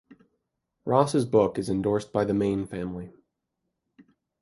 Ross's book is endorsed by the Mayne family.